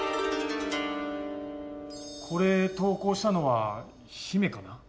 これ投稿したのは姫かな？